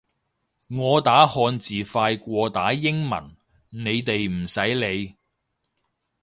我打漢字快過打英文，你哋唔使理